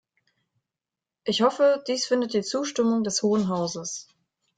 Ich hoffe, dies findet die Zustimmung des Hohen Hauses.